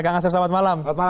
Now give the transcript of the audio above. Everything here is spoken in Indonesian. kang asep selamat malam